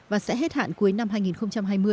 và sẽ hết hạn cuối năm hai nghìn hai mươi